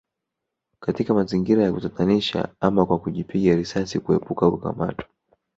Katika mazingira ya kutatanisha ama kwa kujipiga risasi kuepuka kukamatwa